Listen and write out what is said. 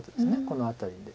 この辺りで。